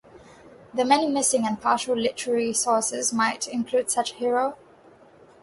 The many missing and partial literary sources might include such a hero.